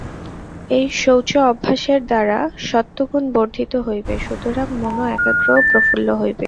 এই শৌচ-অভ্যাসের দ্বারা সত্ত্বগুণ বর্ধিত হইবে, সুতরাং মনও একাগ্র ও প্রফুল্ল হইবে।